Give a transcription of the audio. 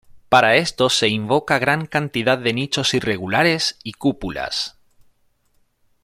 Para esto se invoca gran cantidad de nichos irregulares y cúpulas.